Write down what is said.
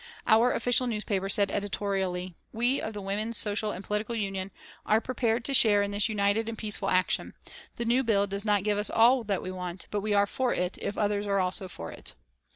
Our official newspaper said editorially: "We of the Women's Social and Political Union are prepared to share in this united and peaceful action. The new bill does not give us all that we want, but we are for it if others are also for it."